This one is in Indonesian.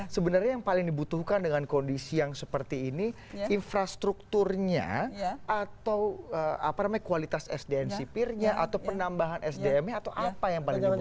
sebenarnya yang paling dibutuhkan dengan kondisi yang seperti ini infrastrukturnya atau kualitas sdn sipirnya atau penambahan sdm nya atau apa yang paling dibutuhkan